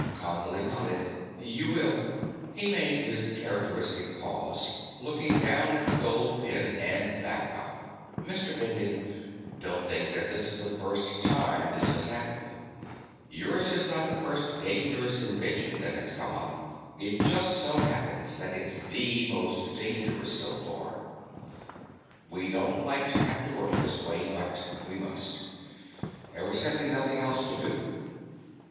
Condley nodded. "You will." He made his characteristic pause, looking down at the gold pen and back up. "Mr. Bending, don't think that this is the first time this has happened. Yours is not the first dangerous invention that has come up. It just so happens that it's the most dangerous so far. We don't like to have to work this way, but we must. There was simply nothing else to do."